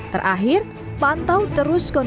terakhir pantau terus kondisi tubuhnya